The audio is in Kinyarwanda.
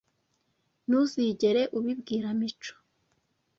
Ntuzigere ubibwira Mico